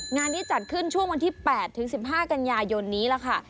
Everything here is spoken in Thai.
งานนี้จัดขึ้นช่วงวันที่๘ถึง๑๕กันยายนนี้ล่ะค่ะ